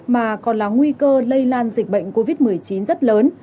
mà còn là nguy cơ lây lan dịch bệnh covid một mươi chín rất lớn